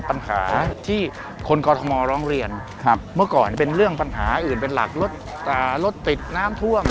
ปัญหาที่คนกรทมร้องเรียนเมื่อก่อนเป็นเรื่องปัญหาอื่นเป็นหลักรถรถติดน้ำท่วม